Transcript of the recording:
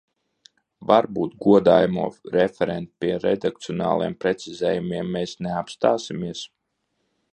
Varbūt, godājamo referent, pie redakcionāliem precizējumiem mēs neapstāsimies.